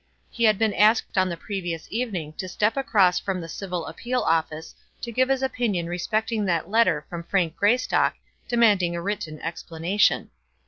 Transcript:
He had been asked on the previous evening to step across from the Civil Appeal Office to give his opinion respecting that letter from Frank Greystock demanding a written explanation.